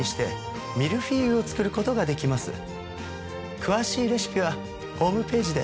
詳しいレシピはホームページで。